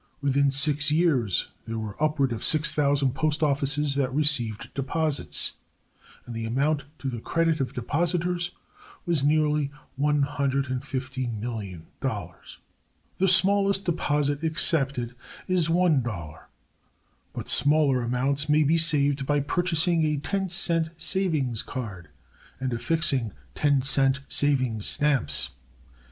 Within six years there were upward of six thousand postoffices that received deposits and the amount to the credit of depositors was nearly $150,000,000. The smallest deposit accepted is $1, but smaller amounts may be saved by purchasing a 10 cent savings card and affixing 10 cent savings stamps.